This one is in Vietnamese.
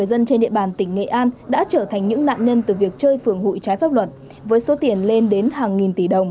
các đối tượng đã trở thành những nạn nhân từ việc chơi phưởng hội trái pháp luật